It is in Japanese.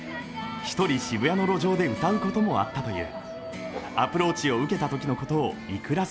一人、渋谷の路上で歌うこともあったという。